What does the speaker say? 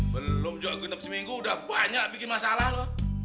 belum juga gendap seminggu udah banyak bikin masalah lo